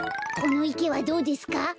このいけはどうですか？